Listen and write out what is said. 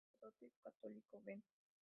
El sacerdote católico, Ven.